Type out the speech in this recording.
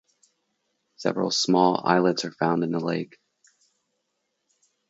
Several small islets are found in the lake.